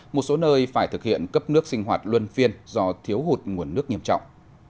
một số nơi phải thực hiện cấp nước sinh hoạt luân phiên do thiếu hụt nguồn nước nghiêm trọng